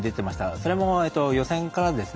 それも予選からですね。